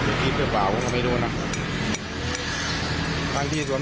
เหมือนเขาทะเลาะกันเองหรือเปล่าเราก็ไม่รู้ใช่ไหม